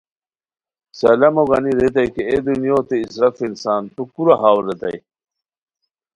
سلامو گانی ریتائے کی اے دنیوتے اسراف انسان تو کورا ہاؤ؟ ریتائے